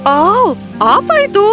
oh apa itu